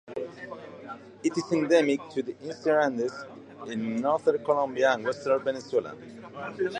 It is endemic to the eastern Andes in northern Colombia and western Venezuela.